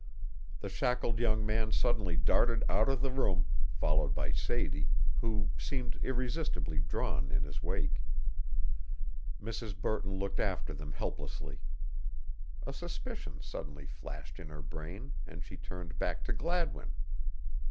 The shackled young man suddenly darted out of the room, followed by Sadie, who seemed irresistibly drawn in his wake. Mrs. Burton looked after them helplessly. A suspicion suddenly flashed in her brain and she turned back to Gladwin.